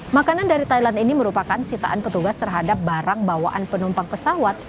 makanan dari thailand ini merupakan sitaan petugas terhadap barang bawaan penumpang pesawat